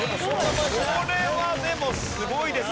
これはでもすごいですね。